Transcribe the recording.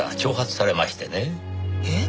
えっ？